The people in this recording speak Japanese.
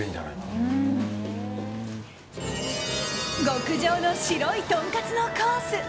極上の白いとんかつのコース。